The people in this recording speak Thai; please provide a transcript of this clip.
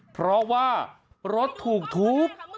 เพราะว่ารถถูกทุบ